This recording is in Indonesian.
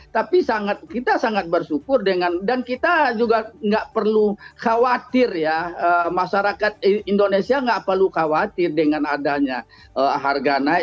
tapi kita sangat bersyukur dengan dan kita juga nggak perlu khawatir ya masyarakat indonesia nggak perlu khawatir dengan adanya harga naik